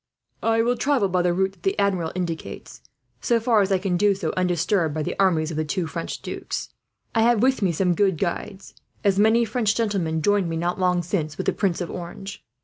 "I will travel by the route that the Admiral indicates, so far as I can do so undisturbed by the armies of the two French dukes. I have with me some good guides, as many French gentleman joined me, not long since, with the Prince of Orange.